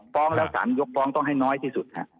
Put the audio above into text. ฟ้องแล้วสารยกฟ้องต้องให้น้อยที่สุด